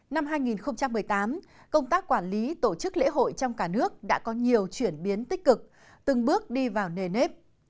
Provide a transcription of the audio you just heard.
năm hai nghìn một mươi tám công tác quản lý tổ chức lễ hội trong cả nước đã có nhiều chuyển biến tích cực từng bước đi vào nề nếp